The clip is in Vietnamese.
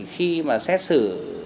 khi mà xét xử